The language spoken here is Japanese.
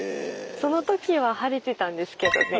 そのときは晴れてたんですけどね。